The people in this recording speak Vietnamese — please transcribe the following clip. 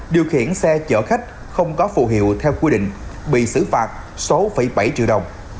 điều khiển xe chở khách không có phụ hiệu theo quy định bị xử phạt sáu bảy triệu đồng